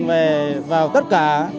về vào tất cả